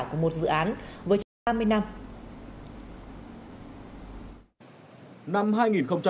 của một dự án vừa trở thành ba mươi năm